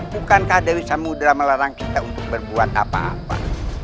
bukankah dewi samudera melarang kita untuk berbuat apa apa